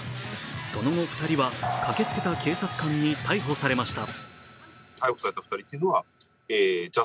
その後、２人は駆けつけた警察官に逮捕されました。